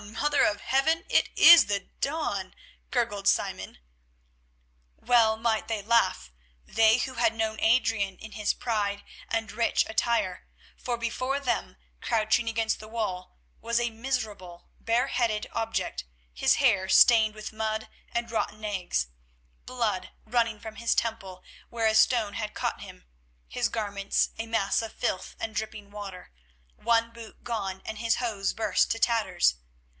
Mother of Heaven! it is the Don," gurgled Simon. Well might they laugh, they who had known Adrian in his pride and rich attire, for before them, crouching against the wall, was a miserable, bareheaded object, his hair stained with mud and rotten eggs, blood running from his temple where a stone had caught him, his garments a mass of filth and dripping water, one boot gone and his hose burst to tatters.